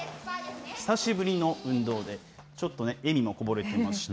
久しぶりの運動で、ちょっとね、笑みもこぼれていました。